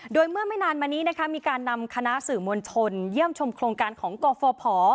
โดยเมื่อไม่นานมานี้นะคะมีการนำคณะสื่อมวลชนเยี่ยมชมโครงการของกฟภ